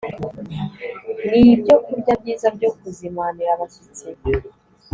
ni ibyokurya byiza byo kuzimanira abashyitsi